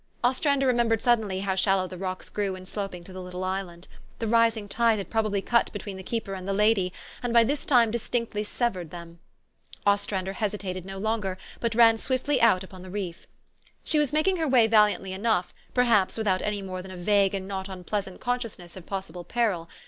Ostrander remembered suddenly how shal low the rocks grew in sloping to the little island. The rising tide had probably cut between the keeper and the lady, and by this time distinctly severed them. Ostrander hesitated no longer, but ran swiftly out upon the reef. She was making her way valiantly enough, per haps without any more than a vague and not un pleasant consciousness of possible peril.